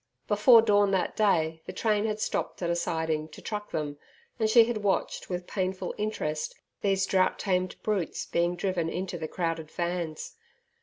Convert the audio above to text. Before dawn that day the train had stopped at a siding to truck them, and she had watched with painful interest these drought tamed brutes being driven into the crowded vans.